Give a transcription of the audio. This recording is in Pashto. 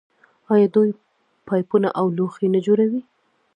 آیا دوی پایپونه او لوښي نه جوړوي؟